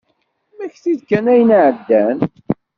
Mmekti-d kan ayen iɛeddan.